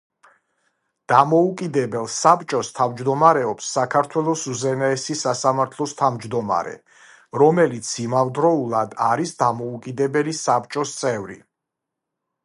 დამოუკიდებელ საბჭოს თავმჯდომარეობს საქართველოს უზენაესი სასამართლოს თავმჯდომარე, რომელიც იმავდროულად არის დამოუკიდებელი საბჭოს წევრი.